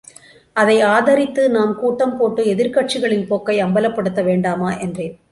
அதை ஆதரித்து நாம் கூட்டம் போட்டு எதிர்க்கட்சிகளின் போக்கை அம்பலப்படுத்த வேண்டாமா? என்றேன்.